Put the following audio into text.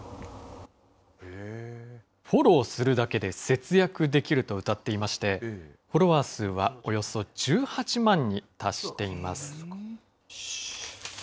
フォローするだけで節約できるとうたっていまして、フォロワー数はおよそ１８万に達しています。